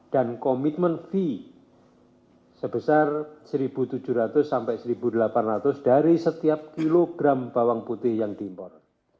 dan komitmen v sebesar satu tujuh ratus sampai satu delapan ratus dari setiap kilogram bawang putih yang diimpor